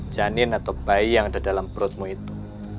janin atau bayi yang ada dalam perutmu itu